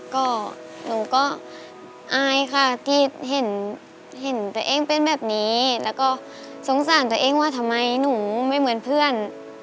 ก็หนูก็อายค่ะที่เห็นตัวเองเป็นแบบนี้แล้วก็สงสารตัวเองว่าทำไมหนูไม่เหมือนเพื่อน